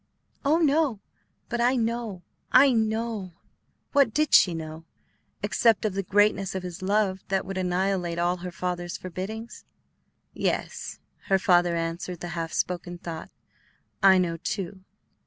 "Oh, no; but I know I know " What did she know except of the greatness of his love that would annihilate all her father's forebodings? "Yes," her father answered the half spoken thought; "I know too.